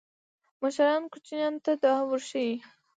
مشران کوچنیانو ته دا ورښيي.